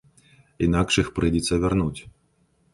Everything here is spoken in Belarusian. Інакш іх прыйдзецца вярнуць.